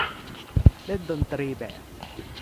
เล่นดนตรีแบบ